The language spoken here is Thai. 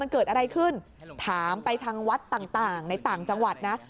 มันเกิดอะไรขึ้นถามไปทางวัดต่างในต่างจังหวัดนะ